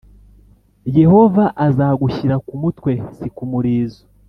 Yehova azagushyira ku mutwe; si ku murizo.